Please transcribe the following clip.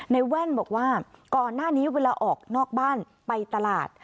แว่นบอกว่าก่อนหน้านี้เวลาออกนอกบ้านไปตลาด